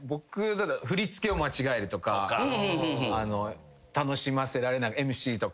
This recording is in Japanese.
振り付けを間違えるとか楽しませられＭＣとか。